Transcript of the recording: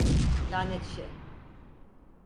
Lanet şey!